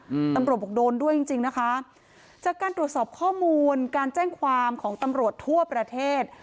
อืมตำรวจบอกโดนด้วยจริงจริงนะคะจากการตรวจสอบข้อมูลการแจ้งความของตำรวจทั่วประเทศ